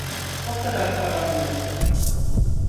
O kadar param yok.